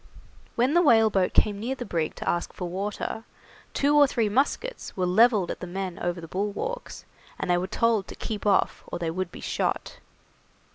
When the whaleboat came near the brig to ask for water, two or three muskets were levelled at the men over the bulwarks, and they were told to keep off, or they would be shot.